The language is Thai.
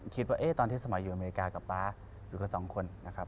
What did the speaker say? คิดว่าตอนที่สมัยอยู่อเมริกากับป๊าอยู่กันสองคนนะครับ